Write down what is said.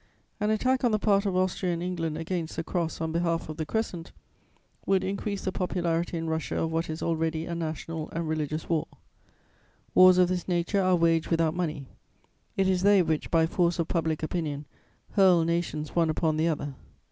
An attack on the part of Austria and England against the Cross on behalf of the Crescent would increase the popularity in Russia of what is already a national and religious war. Wars of this nature are waged without money, it is they which, by force of public opinion, hurl nations one upon the other.